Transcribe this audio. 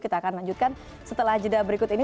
kita akan lanjutkan setelah jeda berikut ini